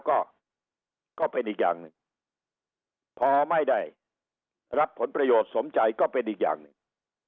ก็ก็เป็นอีกอย่างหนึ่งพอไม่ได้รับผลประโยชน์สมใจก็เป็นอีกอย่างหนึ่ง